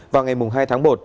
vào ngày hai tháng một